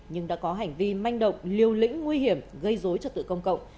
nhưng đã có hành vi manh động liều lĩnh nguy hiểm gây dối trật tự công cộng